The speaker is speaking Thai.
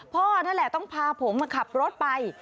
พ่อนั่นแหละต้องพาผมมาขับรถไป